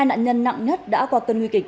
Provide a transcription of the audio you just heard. hai nạn nhân nặng nhất đã qua cơn nguy kịch